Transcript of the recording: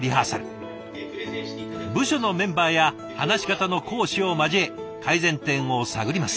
部署のメンバーや話し方の講師を交え改善点を探ります。